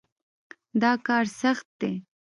دا کار سخت دی.